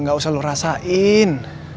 gak usah lo rasain